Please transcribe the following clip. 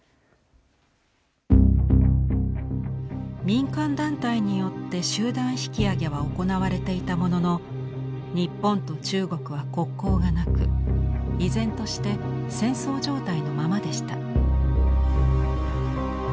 民間団体によって集団引き揚げは行われていたものの日本と中国は国交がなく依然として戦争状態のままでした。